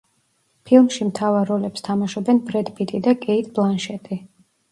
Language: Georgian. ფილმში მთავარ როლებს თამაშობენ ბრედ პიტი და კეიტ ბლანშეტი.